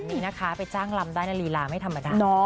มันก็ดีใจแล้วจริงครับ